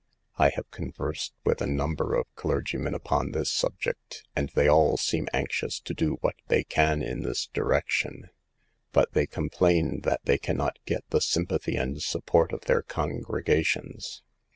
I have conversed with a number of clergymen upon this subject, and they all seem anxious to do what they can in this direction ; but they complain that they can not get the sympathy and support of their congregations.